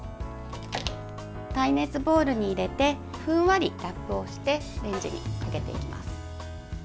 耐熱ボウルに入れてふんわりラップをしてレンジにかけていきます。